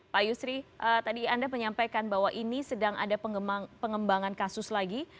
pak yusri tadi anda menyampaikan bahwa ini sedang ada pengembangan kasus lagi